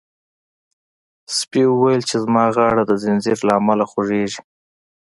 سپي وویل چې زما غاړه د زنځیر له امله خوږیږي.